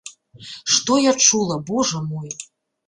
Што я чула, божа мой!